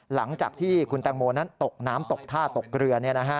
หลังจากที่คุณแตงโมนั้นตกน้ำตกท่าตกเรือ